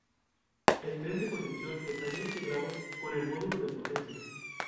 El tren de conducción estaría integrado con el módulo de potencia.